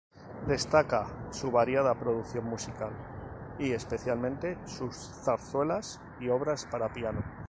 Destaca su variada producción musical y especialmente sus zarzuelas y obras para piano.